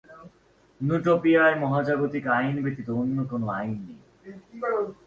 নুটোপিয়ায় মহাজাগতিক আইন ব্যতীত অন্য কোন আইন নেই।